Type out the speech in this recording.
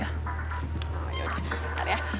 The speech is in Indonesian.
ya udah bentar ya